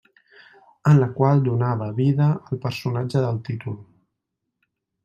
En la qual donava vida al personatge del títol.